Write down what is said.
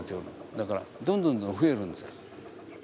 だから、どんどん増えるんですよ。